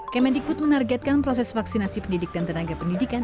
kemendikbud menargetkan proses vaksinasi pendidik dan tenaga pendidikan